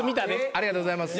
ありがとうございます。